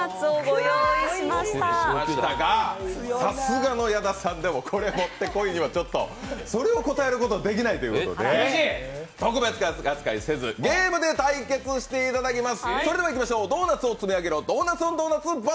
用意しましたが、さすがの矢田さんにも、これ持って来いに応えることはできないということで特別扱いせずゲームで対決していただきます。